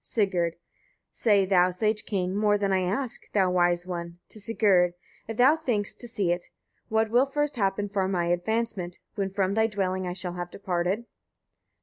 Sigurd. 8. Say thou, sage king! more than I ask, thou wise one, to Sigurd, if thou thinkst to see it: what will first happen for my advancement, when from thy dwelling I shall have departed?